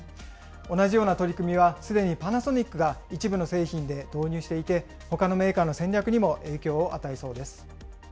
同じような取り組みは、すでにパナソニックが一部の製品で導入していて、ほかのメーカーの戦略にも影響を与えそうです。